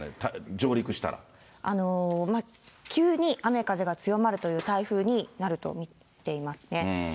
上陸した急に雨風が強まるという台風になると見ていますね。